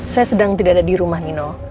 saya sedang tidak ada di rumah nino